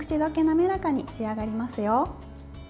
滑らかに仕上がりますよ。